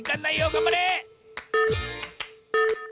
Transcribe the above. がんばれ！